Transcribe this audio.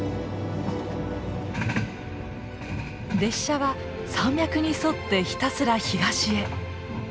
列車は山脈に沿ってひたすら東へ。